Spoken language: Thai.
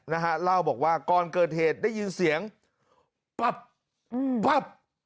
นะฮะเล่าบอกว่าก่อนเกิดเหตุได้ยินเสียงปั๊บอืมปั๊บ